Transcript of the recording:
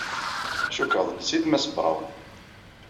Cikkeɣ d netta ay Mass Brown.